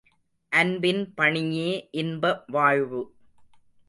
அன்பின் பணியே இன்ப வாழ்வு.